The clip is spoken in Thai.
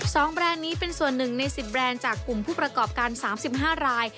แบรนด์นี้เป็นส่วนหนึ่งในสิบแบรนด์จากกลุ่มผู้ประกอบการสามสิบห้าราย